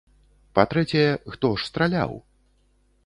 Па-трэцяе, хто ж страляў?